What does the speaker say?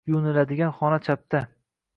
Yuviniladigan xona chapda.